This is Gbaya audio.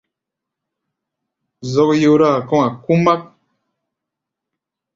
Zɔ́k yóráa kɔ̧́-a̧ kumak.